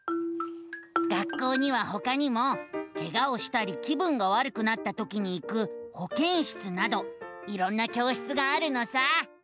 学校にはほかにもケガをしたり気分がわるくなったときに行くほけん室などいろんな教室があるのさ。